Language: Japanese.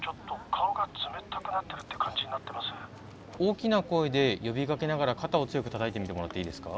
大きな声で呼びかけながら肩を強くたたいてみてもらっていいですか？